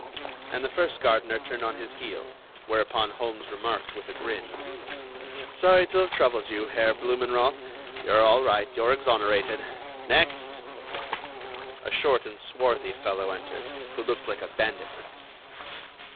And the first gardener turned on his heel, whereupon Holmes remarked with a grin: "Sorry to have troubled you, Herr Blumenroth. You're all right. You're exonerated. Next!" A short and swarthy fellow entered, who looked like a bandit.